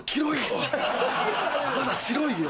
まだ白いよ。